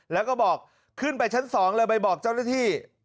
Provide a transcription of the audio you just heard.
แล้วก็บอกขึ้นไปชั้น๒เลยไปบอกเจ้าหน้าที่